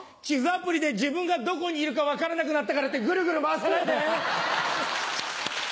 地図アプリで自分がどこにいるか分からなくなったからってグルグル回さないで！